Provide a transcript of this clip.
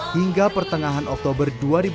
hingga pertengahan oktober dua ribu sembilan belas